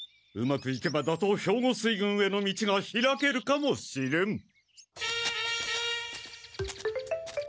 うまくいけば打とう兵庫水軍への道が開けるかもしれん。